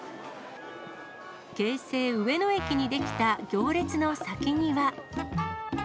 京成上野駅に出来た行列の先には。